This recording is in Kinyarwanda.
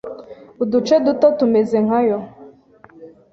uduce duto tumeze nkayo